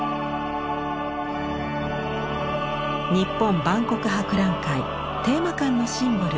日本万国博覧会テーマ館のシンボル